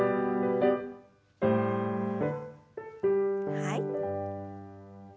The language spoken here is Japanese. はい。